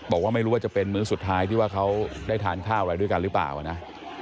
บอกว่าไม่รู้ว่าจะเป็นมื้อสุดท้ายที่ว่าเขาได้ทานข้าวอะไรด้วยกันหรือเปล่านะ